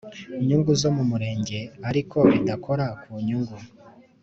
Nyungu zo mu murenge ariko bidakora ku nyungu